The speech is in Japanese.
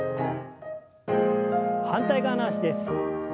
反対側の脚です。